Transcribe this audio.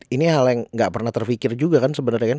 ini hal yang nggak pernah terpikir juga kan sebenarnya kan